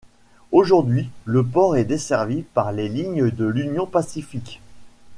Aujourd’hui le port est desservi par les lignes de l’Union Pacific.